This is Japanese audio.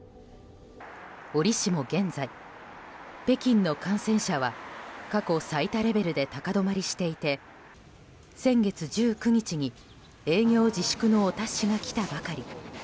折しも現在、北京の感染者は過去最多レベルで高止まりしていて先月１９日に営業自粛のお達しが来たばかり。